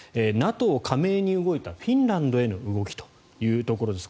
ＮＡＴＯ加盟に動いたフィンランドへの動きというところです。